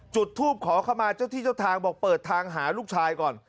จุดทูปขอเข้ามาเจ้าที่เจ้าทางบอกเปิดทางหาลูกชายก่อน